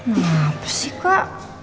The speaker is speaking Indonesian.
ngapas sih kak